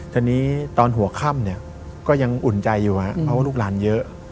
ตอนนี้ตอนหัวค่ำเนี่ยก็ยังอุ่นใจอยู่ครับเพราะว่าลูกหลานเยอะ